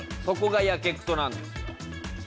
そこがやけくそなんですよ。